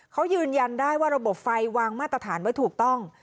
เขายืนยันได้ว่าระบบไฟวางมาตรฐานไว้ถูกต้อง